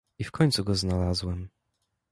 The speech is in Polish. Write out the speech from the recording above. "I w końcu go znalazłem."